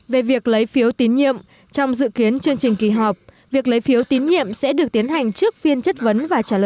về việc lấy phiếu tín nhiệm trong dự kiến chương trình kỳ họp việc lấy phiếu tín nhiệm sẽ được tiến hành trước phiên chất vấn